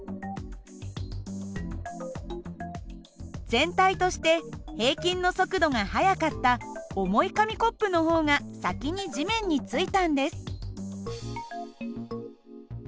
全体として平均の速度が速かった重い紙コップの方が先に地面についたんです。